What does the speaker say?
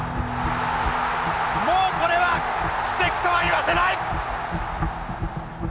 もうこれは奇跡とは言わせない！